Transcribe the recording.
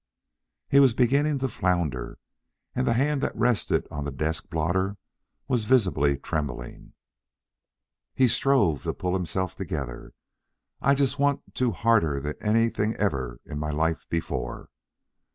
He was beginning to flounder, and the hand that rested on the desk blotter was visibly trembling. He strove to pull himself together. "I just want to harder than anything ever in my life before.